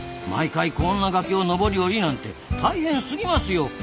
毎回こんな崖を上り下りなんて大変すぎますよ。